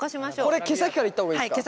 これ毛先からいった方がいいですか？